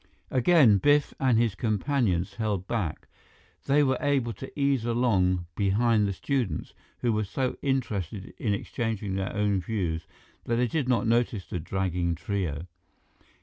Again, Biff and his companions held back. They were able to ease along behind the students, who were so interested in exchanging their own views that they did not notice the dragging trio.